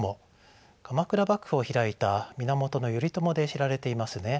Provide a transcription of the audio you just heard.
鎌倉幕府を開いた源頼朝で知られていますね。